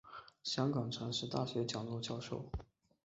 香港城市大学讲座教授。